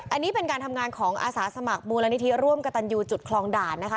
อันนี้เป็นการทำงานของอาสาสมัครมูลนิธิร่วมกระตันยูจุดคลองด่านนะคะ